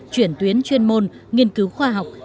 chuyển tuyến chuyên môn nghiên cứu khoa học